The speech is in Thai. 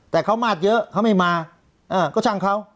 แต่เขามาเยอะเขาไม่มาก็ช่างเขา